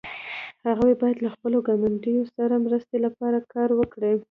هغوی باید له خپلو ګاونډیو سره مرستې لپاره کار وکړي.